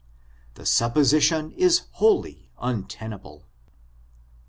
The supposition is wholly un tenable.